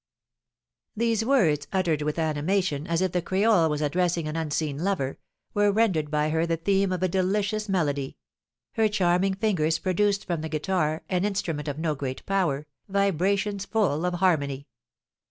These words, uttered with animation, as if the creole was addressing an unseen lover, were rendered by her the theme of a delicious melody; her charming fingers produced from the guitar, an instrument of no great power, vibrations full of harmony.